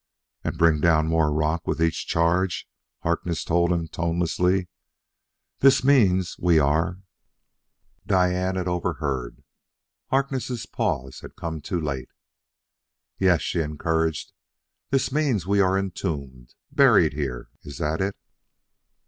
"And bring down more rock with each charge," Harkness told him tonelessly. "This means we are " Diane had overheard. Harkness' pause had come too late. "Yes?" she encouraged. "This means we are entombed? buried here? Is that it?"